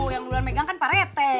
yang duluan megang kan pak rete